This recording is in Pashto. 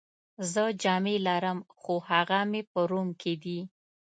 زه جامې لرم، خو هغه مې په روم کي دي.